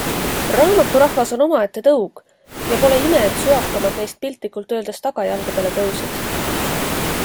Raamaturahvas on omaette tõug ja pole ime, et söakamad neist piltlikult öeldes tagajalgadele tõusid.